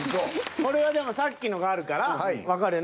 これはでもさっきのがあるからわかるよな。